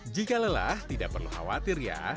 jika lelah tidak perlu khawatir ya